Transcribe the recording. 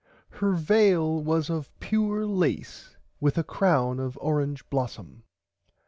Her veil was of pure lace with a crown of orange blossum.